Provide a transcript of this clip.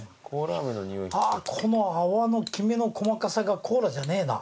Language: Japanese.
この泡のきめの細かさがコーラじゃねえな。